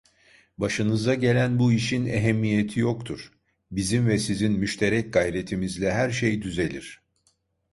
Başınıza gelen bu işin ehemmiyeti yoktur, bizim ve sizin müşterek gayretimizle her şey düzelir.